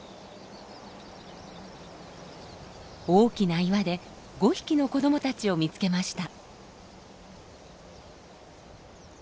大きな岩で５匹の子どもたちを見つけました。